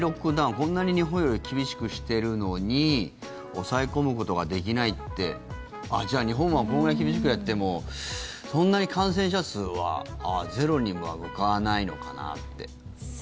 こんなに日本より厳しくしているのに抑え込むことができないってああ、じゃあ日本はこれぐらい厳しくやってもそんなに感染者数はゼロには向かわないのかなって。